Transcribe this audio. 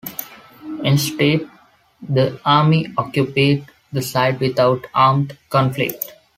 Instead, the army occupied the site without armed conflict.